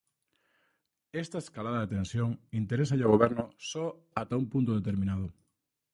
Esta escalada de tensión interésalle ao Goberno só ata un punto determinado.